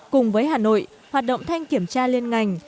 cùng với hà nội hoạt động thanh kiểm tra liên ngành